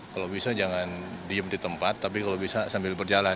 kalau bisa jangan diem di tempat tapi kalau bisa sambil berjalan